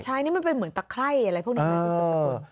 ใช่นี่มันเป็นเหมือนตะไคร่อะไรพวกนี้ไหม